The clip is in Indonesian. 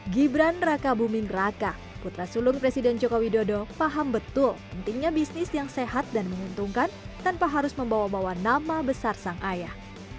gibran raka buming raka putra sulung presiden joko widodo paham betul pentingnya bisnis yang sehat dan menguntungkan tanpa harus membawa bawa nama besar sang ayah